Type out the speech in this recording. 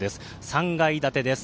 ３階建てです。